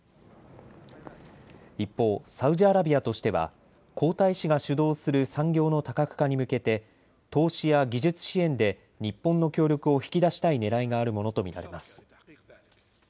一方、サウジアラビアとしては皇太子が主導する産業の多角化に向けて投資や技術支援で日本の協力を引き出したいねらいがあるものと見られます。